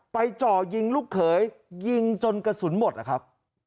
จ่อยิงลูกเขยยิงจนกระสุนหมดนะครับ